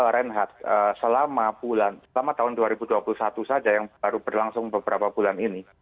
reinhardt selama bulan selama tahun dua ribu dua puluh satu saja yang baru berlangsung beberapa bulan ini